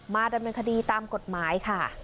ดำเนินคดีตามกฎหมายค่ะ